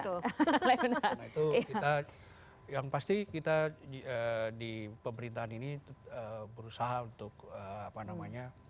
karena itu yang pasti kita di pemerintahan ini berusaha untuk apa namanya